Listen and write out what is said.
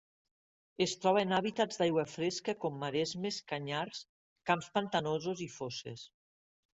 Es troba en hàbitats d'aigua fresca com maresmes, canyars, camps pantanosos i fosses.